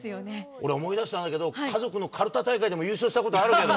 俺、思い出したんだけど、家族のかるた大会でも優勝したことあるけど。